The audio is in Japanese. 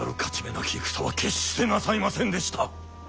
なき戦は決してなさいませんでした。